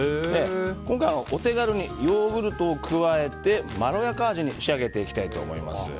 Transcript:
今回お手軽にヨーグルトを加えてまろやか味に仕上げていきたいと思います。